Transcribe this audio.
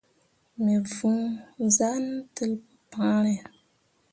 Me võo zan tel pu pããre.